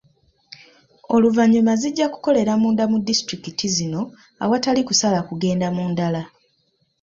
Oluvannyuma zijja kukolera munda mu disitulikiti zino awatali kusala kugenda mu ndala.